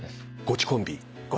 「ゴチ」コンビ。